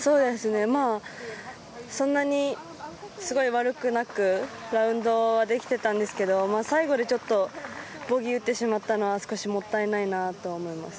そんなにすごい悪くなくラウンドはできてたんですけど最後でちょっとボギーを打ってしまったのは少しもったいないなと思います。